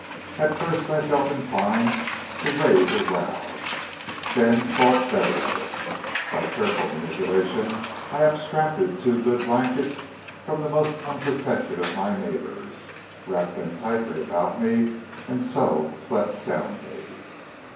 At first I felt inclined to raise a row; then thought better of it, by careful manipulation I abstracted two good blankets from the most unprotected of of my neighbours, wrapped them tightly about me, and so slept soundly.